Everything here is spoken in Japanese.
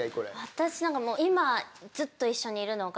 私何か今ずっと一緒にいるのが。